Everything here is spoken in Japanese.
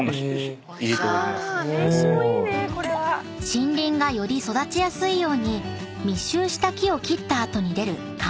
［森林がより育ちやすいように密集した木を切った後に出る間伐材］